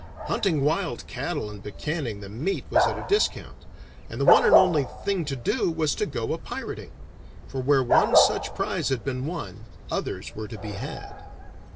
Hunting wild cattle and buccanning the meat was at a discount, and the one and only thing to do was to go a pirating; for where one such prize had been won, others were to be had.